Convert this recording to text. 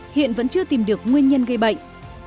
hiện vẫn chưa tìm được nguyên nhân gây bệnh